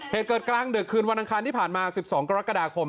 เหตุเกิดกร้างเดิกคืนวันทางคลานที่ผ่านมาสิบสองกรกฎาคม